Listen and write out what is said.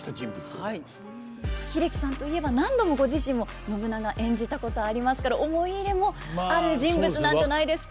英樹さんといえば何度もご自身も信長演じたことありますから思い入れもある人物なんじゃないですか。